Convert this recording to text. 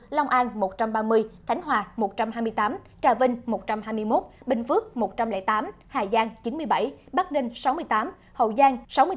long an một trăm ba mươi khánh hòa một trăm hai mươi tám trà vinh một trăm hai mươi một bình phước một trăm linh tám hà giang chín mươi bảy bắc ninh sáu mươi tám hậu giang